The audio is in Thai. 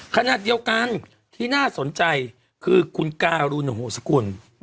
ขณะเดียวกันที่น่าสนใจคือคุณการุณโหสกุล